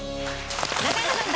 中山さん